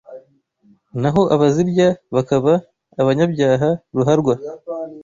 naho abazirya bakaba abanyabyaha ruharwa.